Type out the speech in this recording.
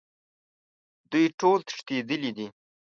دوی ټول تښتیدلي دي